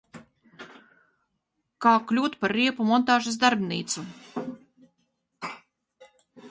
Kā kļūt par riepu montāžas darbnīcu?